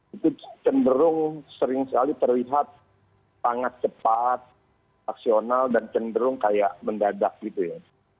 itu cenderung sering sekali terlihat sangat cepat aksional dan cenderung kayak mendadak gitu ya